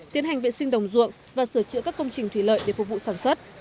tiến hành vệ sinh đồng ruộng và sửa chữa các công trình thủy lợi để phục vụ sản xuất